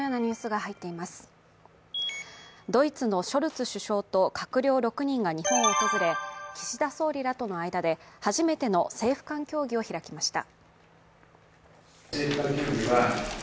ドイツのショルツ首相と閣僚６人が日本を訪れ、岸田総理らとの間で初めての政府間協議を開きました。